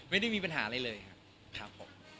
ไม่ได้มีปัญหาอะไรเลยครับ